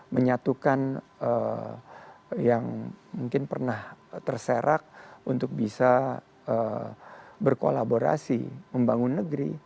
menyatukan yang mungkin pernah terserak untuk bisa berkolaborasi membangun negeri